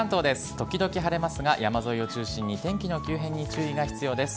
時々晴れますが、山沿いを中心に、天気の急変に注意が必要です。